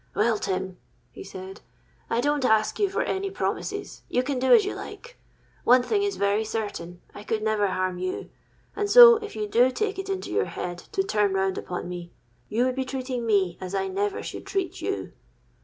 —'Well, Tim,' he said, 'I don't ask you for any promises: you can do as you like. One thing is very certain, I could never harm you; and so, if you do take it into your head to turn round upon me, you would be treating me as I never should treat you.